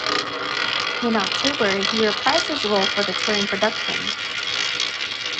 In October, he reprised his role for the touring production.